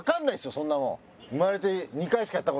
そんなもん！